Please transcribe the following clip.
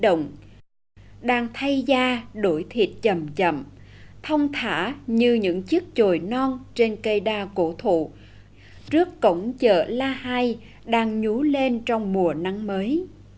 đồng đang thay da đổi thịt chầm chậm phong thả như những chiếc trồi non trên cây đa cổ thụ trước cổng chợ la hai đang nhú lên trong mùa nắng mới